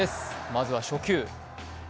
まずは初球。